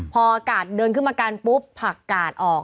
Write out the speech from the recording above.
พอกาดเดินขึ้นมากันปุ๊บผักกาดออก